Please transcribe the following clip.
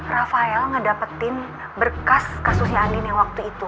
rafael ngedapetin berkas kasusnya andin yang waktu itu